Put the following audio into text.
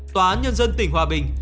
tòa án nhân dân tỉnh hòa bình